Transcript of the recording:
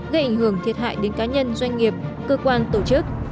gây ảnh hưởng thiệt hại đến cá nhân doanh nghiệp cơ quan tổ chức